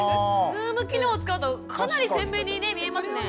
ズーム機能を使うとかなり鮮明に見えますね。